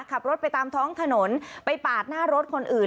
ขับรถไปตามท้องถนนไปปาดหน้ารถคนอื่น